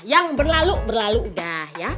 yang berlalu berlalu udah